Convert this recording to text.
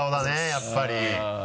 やっぱり。